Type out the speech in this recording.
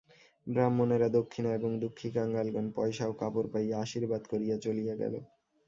ব্রাহ্মণেরা দক্ষিণা এবং দুঃখীকাঙালগণ পয়সা ও কাপড় পাইয়া আশীর্বাদ করিয়া চলিয়া গেল।